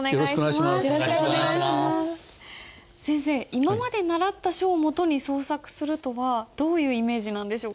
今まで習った書を基に創作するとはどういうイメージなんでしょうか？